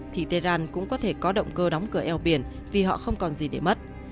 thì tehran cũng có thể có động cơ đóng cửa eo biển vì họ không còn gì để mất